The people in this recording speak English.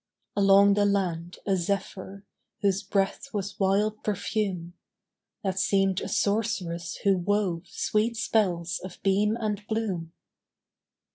Along the land a zephyr, Whose breath was wild perfume, That seemed a sorceress who wove Sweet spells of beam and bloom.